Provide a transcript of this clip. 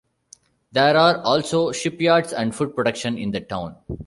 There are also shipyards and food production in the town.